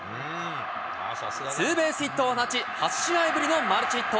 ツーベースヒットを放ち、８試合ぶりのマルチヒット。